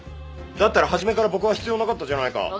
だったらはじめから僕は必要なかったじゃないか。